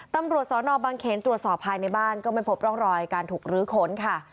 ตำรวจสนบางเขนตรวจสอบภายในบ้านก็ไม่พบร่องรอยการถูกลื้อขนค่ะ